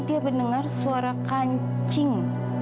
dia mendengar suara kancing